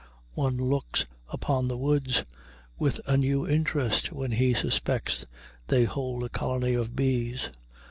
One looks upon the woods with a new interest when he suspects they hold a colony of bees.